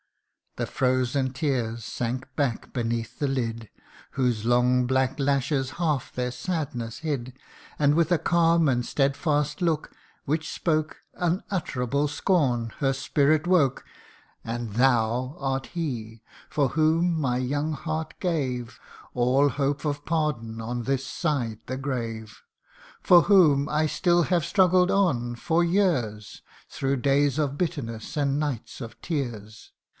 The frozen tears sank back beneath the lid, Whose long black lashes half their sadness hid And with a calm and stedfast look, which spoke Unutterable scorn, her spirit woke :' And thou art he, for whom my young heart gave All hope of pardon on this side the grave ! For whom I still have struggled on, for years, Through days of bitterness and nights of tears